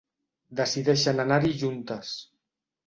Decideixen anar-hi juntes.